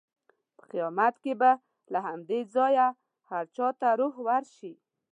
په قیامت کې به له همدې ځایه هر چا ته روح ورشي.